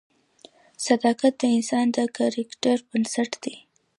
صداقت د انسان د کرکټر بنسټ دی.